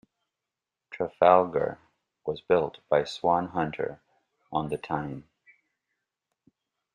"Trafalgar" was built by Swan Hunter on the Tyne.